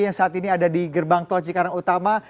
yang saat ini ada di gerbang tol cikarang utama